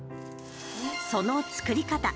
その作り方。